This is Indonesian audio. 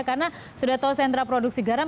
karena sudah tahu sentra produksi garam